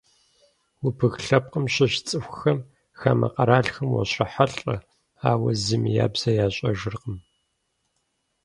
Убых лъэпкъым щыщ цӏыхухэм хамэ къэралхэм уащрохьэлӏэ, ауэ зыми я бзэр ящӏэжыркъым.